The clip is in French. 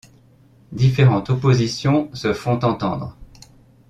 Différentes oppositions se font entendre.